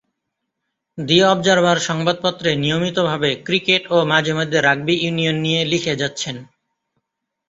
দি Observer সংবাদপত্রে নিয়মিতভাবে cricket ও মাঝে-মধ্যে রাগবি ইউনিয়ন নিয়ে লিখে যাচ্ছেন।